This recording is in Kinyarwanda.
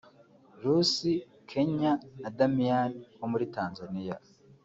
Ruth(Kenya) na Damian wo muri Tanzaniya